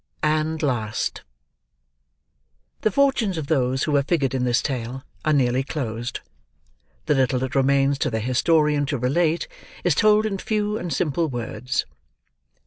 AND LAST The fortunes of those who have figured in this tale are nearly closed. The little that remains to their historian to relate, is told in few and simple words.